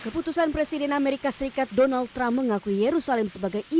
keputusan presiden america serikat donald trump mengakui yerusalem sebagai istri jasil